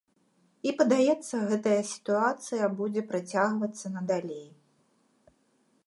І, падаецца, гэтая сітуацыя будзе працягвацца надалей.